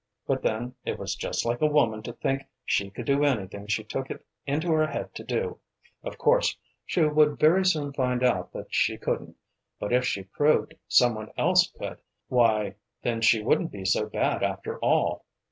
But then it was just like a woman to think she could do anything she took it into her head to do. Of course she would very soon find out that she couldn't, but if she proved some one else could, why then she wouldn't be so bad, after all.